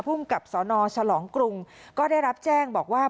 ผู้จับสอนอชะลองกรุงก็ได้รับแจ้งบอกว่า